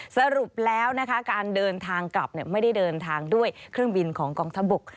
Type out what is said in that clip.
สรุปแล้วนะคะการเดินทางกลับไม่ได้เดินทางด้วยเครื่องบินของกองทัพบก